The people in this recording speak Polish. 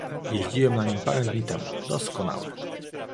"Jeździłem na nim parę dni temu... doskonały."